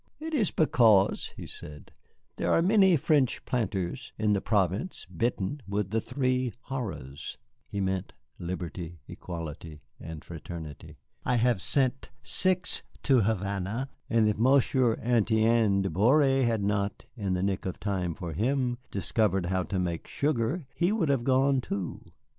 "It is because," he said, "there are many French planters in the province bitten with the three horrors" (he meant Liberty, Equality, and Fraternity), "I sent six to Havana; and if Monsieur Étienne de Boré had not, in the nick of time for him, discovered how to make sugar he would have gone, too.